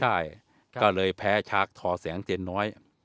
ใช่ก็เลยแพ้ชาร์คทอแสงเจนน้อย